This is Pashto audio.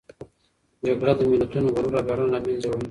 جګړه د ملتونو غرور او ویاړونه له منځه وړي.